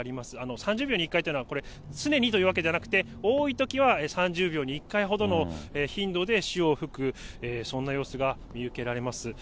３０秒に１回というのは、これ、常にというわけではなくて、多いときは３０秒に１回ほどの頻度で潮を吹く、そんな様子が見受けられます。